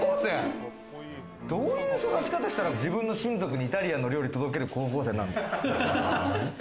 どういう育ち方したら、自分の親族にイタリアンの料理届ける高校生になるの？